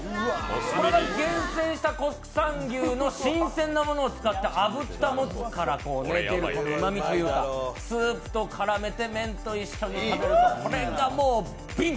これが厳選した国産牛の新鮮なものを使ったあぶったもつから出るうまみというか、スープと絡めて麺と一緒に食べると、これがもう美味！